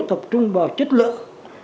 tập trung vào chất lượng